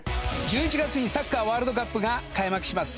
１１月にサッカーワールドカップが開幕します。